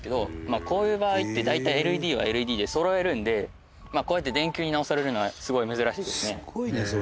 こういう場合って大体ＬＥＤはＬＥＤでそろえるんでこうやって電球に直されるのはすごい珍しいですね。